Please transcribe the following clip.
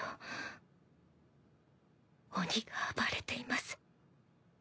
鬼が暴れています。